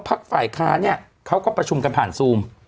ฝ่ายค้าเนี่ยเขาก็ประชุมกันผ่านซูม